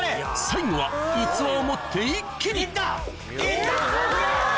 ・最後は器を持って一気に・行った！